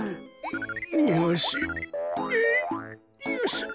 よし。